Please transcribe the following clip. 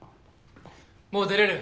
もう出れる？